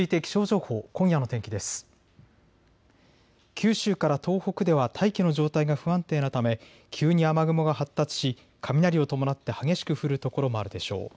九州から東北では大気の状態が不安定なため急に雨雲が発達し雷を伴って激しく降る所もあるでしょう。